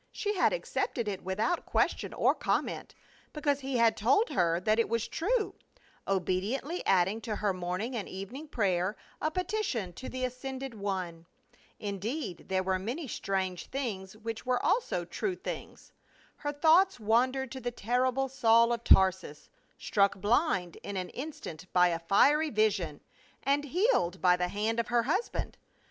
She had accepted it without question or comment, because he had told her that it was true, obediently adding to her morning and evening prayer a petition to the ascended One. Indeed, there were many strange things which were also true things. Her thoughts wandered to the terrible Saul of Tarsus, struck blind in an instant by a fiery vision, and healed by the hand of her husband.